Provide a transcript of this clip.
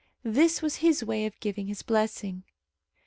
This was his way of giving his blessing.